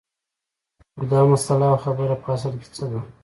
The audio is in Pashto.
خو دا مسله او خبره په اصل کې څه ده